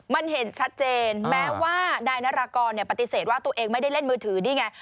มันเห็นชัดเจนแม้ว่านายนารากรปฏิเสธว่าตัวเองไม่ได้เล่นมือถือนี่ไง